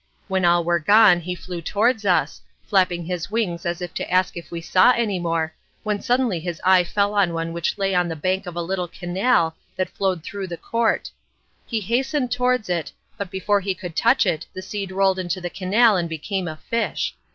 When all were gone he flew towards us, flapping his wings as if to ask if we saw any more, when suddenly his eye fell on one which lay on the bank of the little canal that flowed through the court; he hastened towards it, but before he could touch it the seed rolled into the canal and became a fish.